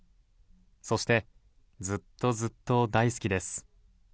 そしてずっとずっと大好きです。